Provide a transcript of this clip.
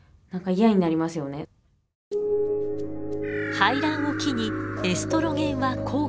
排卵を機にエストロゲンは降下。